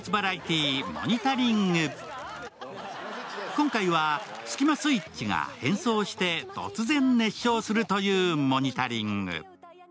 今回はスキマスイッチが変装して突然熱唱するというモニタリング。